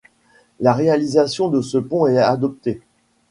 La réalisation de ce pont est adoptée.